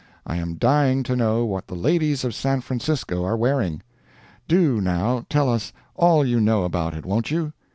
I am dying to know what the ladies of San Francisco are wearing. Do, now, tell us all you know about it, won't you?